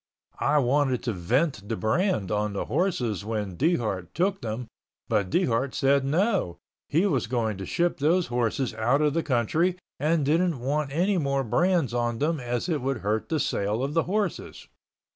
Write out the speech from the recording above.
I wanted to vent the brand on the horses when Dehart took them but Dehart said no, he was going to ship those horses out of the country and didn't want any more brands on them as it would hurt the sale of the horses.